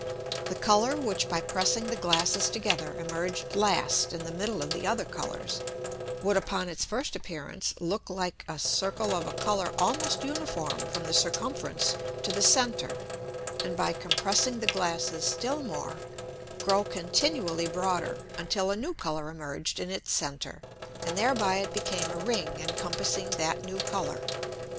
The Colour, which by pressing the Glasses together, emerged last in the middle of the other Colours, would upon its first appearance look like a Circle of a Colour almost uniform from the circumference to the center and by compressing the Glasses still more, grow continually broader until a new Colour emerged in its center, and thereby it became a Ring encompassing that new Colour.